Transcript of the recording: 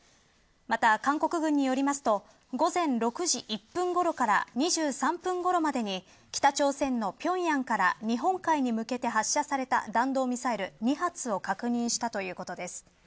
また韓国軍によりますと午前６時１分ごろから２３分ごろまでに北朝鮮のを平壌から日本海に向けて発射された弾道ミサイル２発を確認したということです。